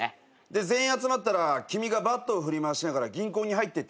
全員集まったら君がバットを振り回しながら銀行に入ってって周囲を威嚇して。